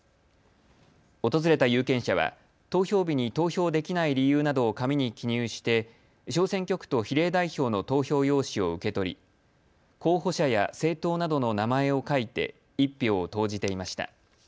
訪れた有権者は投票日に投票できない理由などを紙に記入して小選挙区と比例代表の投票用紙を受け取り候補者や政党などの名前を書いて１票を投じていました。